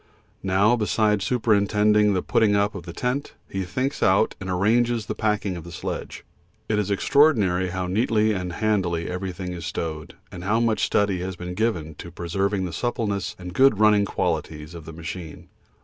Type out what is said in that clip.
Now, besides superintending the putting up of the tent, he thinks out and arranges the packing of the sledge; it is extraordinary how neatly and handily everything is stowed, and how much study has been given to preserving the suppleness and good running qualities of the machine.